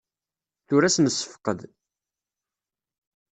Tura ad s-nessefqed.